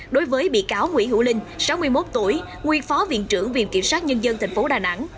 đối với bị cáo nguyễn hữu linh sáu mươi một tuổi nguyên phó viện trưởng viện kiểm sát nhân dân tp đà nẵng